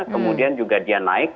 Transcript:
kemudian juga dia naik